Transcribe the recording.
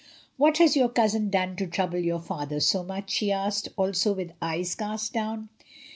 "What has your cousin done to trouble your father so much?" she asked, also with eyes cast down.